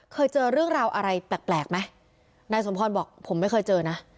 เคยเจอเรื่องราวอะไรแปลกแปลกไหมนายสมพรบอกผมไม่เคยเจอนะ